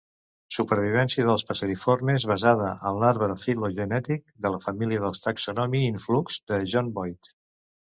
Supervivència dels passeriformes basada en "l'arbre filogenètic de la família de Taxonomy in Flux" de John Boyd.